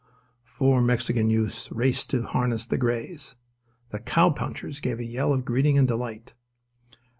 _" Four Mexican youths raced to unharness the greys. The cowpunchers gave a yell of greeting and delight.